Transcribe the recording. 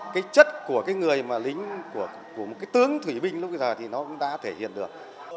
cái chất của cái người mà lính của một cái tướng thủy binh lúc bây giờ thì nó cũng đã thể hiện được